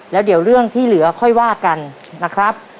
แล้วเดี๋ยวเรื่องที่เหลือค่อยว่ากันนะครับ